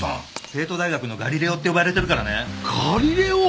帝都大学のガリレオって呼ばれてるからガリレオ！？